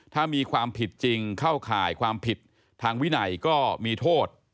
ถ้ามีความผิดจริงเข้าข่ายความผิดทางวินัยก็มีโทษ